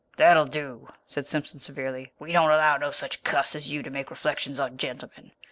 "That'll do," said Simpson severely. "We don't allow no such cuss as you to make reflections on gentlemen.